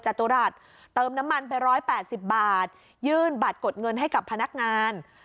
จตุรัสเติมน้ำมันไป๑๘๐บาทยื่นบัตรกดเงินให้กับพนักงาน